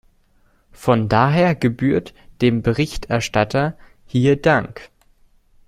Von daher gebührt dem Berichterstatter hier Dank.